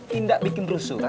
tidak bikin rusuh kan